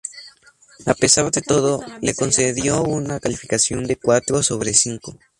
A pesar de todo, le concedió una calificación de cuatro sobre cinco.